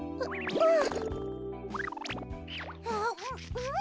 うん。